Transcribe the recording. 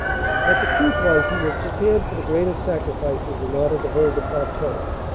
But the truth was he was prepared for the greatest sacrifices in order to hold the plateau.